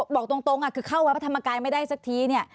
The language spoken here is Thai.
บอกตรงคือเข้าวัดพระธรรมกายไม่ได้สักทีเนี่ย